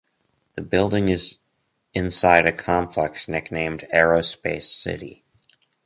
The building is inside a complex nicknamed Aerospace City.